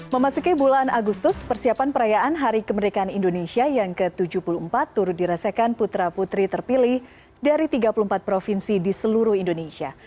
memasuki bulan agustus persiapan perayaan hari kemerdekaan indonesia yang ke tujuh puluh empat turut dirasakan putra putri terpilih dari tiga puluh empat provinsi di seluruh indonesia